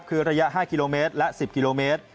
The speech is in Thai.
คือระยะ๕กิโลเมตรและ๑๐กิโลเมตร